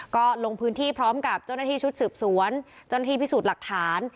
ก็ลงพื้นที่พร้อมกับเจ้าหน้าที่ชุดสืบสวนเจ้าหน้าที่พิสูจน์หลักฐาน